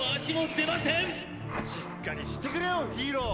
しっかりしてくれよヒーロー！